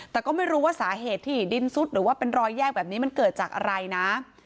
แต่ก็ไม่รู้ว่าสาเหตุที่ดินซุดหรือว่าเป็นรอยแยกแบบนี้มันเกิดจากอะไรนะ